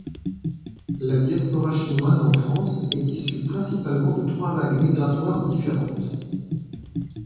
La Diaspora chinoise en France est issue principalement de trois vagues migratoires différentes.